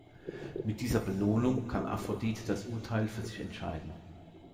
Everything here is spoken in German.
Mit dieser Belohnung kann Aphrodite das Urteil für sich entscheiden.